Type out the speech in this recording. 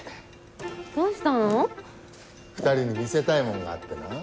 ２人に見せたいもんがあってな。